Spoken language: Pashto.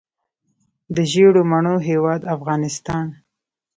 د ژیړو مڼو هیواد افغانستان.